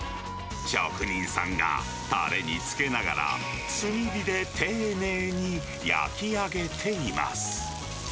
職人さんがたれにつけながら、炭火で丁寧に焼き上げています。